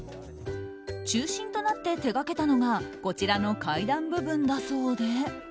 中心となって手がけたのがこちらの階段部分だそうで。